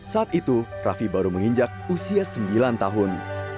saat itu raffi baru menginjak usia sembilan tahun